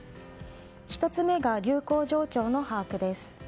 １つ目が流行状況の把握です。